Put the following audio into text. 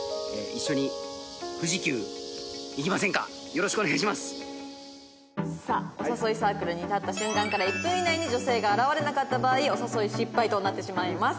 「よろしくお願いします」さあお誘いサークルに立った瞬間から１分以内に女性が現れなかった場合お誘い失敗となってしまいます。